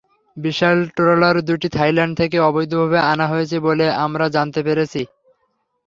বিশাল trawler দুটি Thailand থেকে অবৈধভাবে আনা হয়েছে বলে আমরা জানতে পেরেছি।